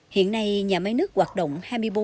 hiện nay nhà máy nước hoạt động hai mươi bốn